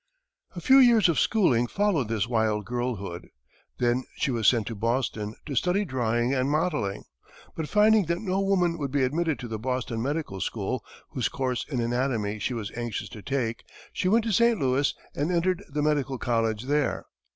A few years of schooling followed this wild girlhood; then she was sent to Boston to study drawing and modelling; but finding that no woman would be admitted to the Boston Medical School, whose course in anatomy she was anxious to take, she went to St. Louis and entered the medical college there.